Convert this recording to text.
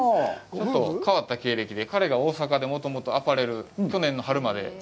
ちょっと変わった経歴で、彼が大阪でもともとアパレル、去年の春まで。